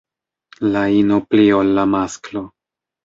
La ino pli ol la masklo.